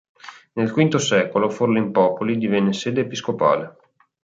Nel V secolo Forlimpopoli divenne sede episcopale.